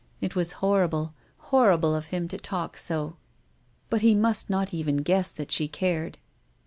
It was horri ble, horrible of him to talk so ; but he must not even guess that she cared.